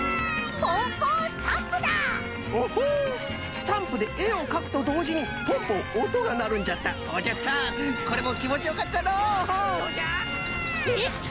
スタンプでえをかくとどうじにポンポンおとがなるんじゃったそうじゃったこれもきもちよかったのうできた！